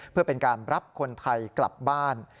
เพื่อเป็นการรับคนไทยกลับบ้าน